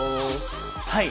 はい。